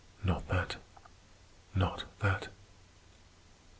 Not that! Not that!"